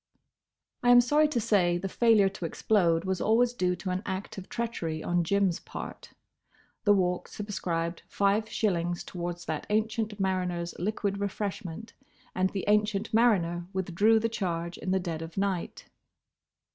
I am sorry to say the failure to explode was always due to an act of treachery on Jim's part. The Walk subscribed five shillings towards that ancient mariner's liquid refreshment, and the ancient mariner withdrew the charge in the dead of night.